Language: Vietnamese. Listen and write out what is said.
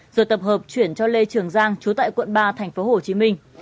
rồi tập hợp chuyển cho lê trường giang trú tại quận ba thành phố hồ chí minh